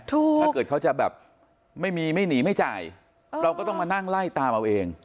ถ้าเกิดเขาจะแบบไม่มีไม่หนีไม่จ่ายเราก็ต้องมานั่งไล่ตามเอาเอง